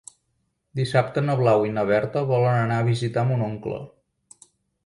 Dissabte na Blau i na Berta volen anar a visitar mon oncle.